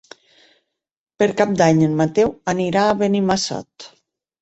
Per Cap d'Any en Mateu anirà a Benimassot.